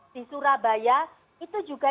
di surabaya itu juga